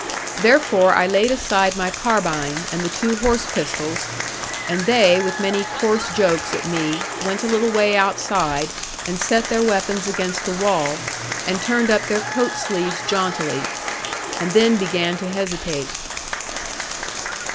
Therefore I laid aside my carbine, and the two horse pistols; and they with many coarse jokes at me went a little way outside, and set their weapons against the wall, and turned up their coat sleeves jauntily; and then began to hesitate.